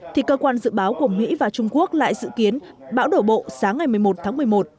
thì cơ quan dự báo của mỹ và trung quốc lại dự kiến bão đổ bộ sáng ngày một mươi một tháng một mươi một